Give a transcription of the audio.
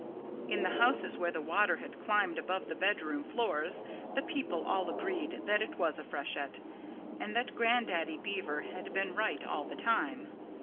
In the houses where the water had climbed above the bedroom floors the people all agreed that it was a freshet and that Grandaddy Beaver had been right all the time.